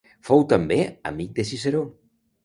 Fou també amic de Ciceró.